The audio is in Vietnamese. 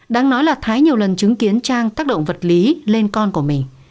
đang nói là thái nhiều lần chứng kiến trang tác động vật lý lên con của mình